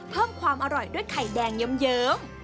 เพิ่มความอร่อยด้วยไข่แดงเยิ้ม